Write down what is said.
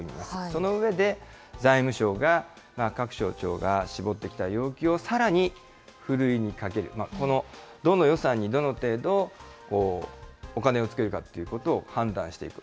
その上で財務省が、各省庁が絞ってきた要求をさらにふるいにかける、どの予算にどの程度お金をつけるかっていうことを判断していく。